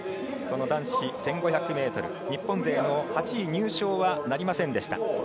この男子１５００ｍ日本勢、８位入賞はなりませんでした。